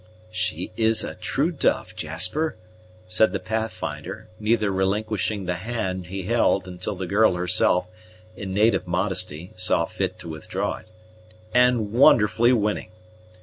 "She is a true dove, Jasper" said the Pathfinder, neither relinquishing the hand he held until the girl herself, in native modesty, saw fit to withdraw it, "and wonderfully winning!